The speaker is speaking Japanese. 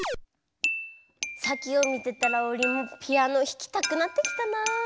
サキを見てたらオウリンもピアノひきたくなってきたな。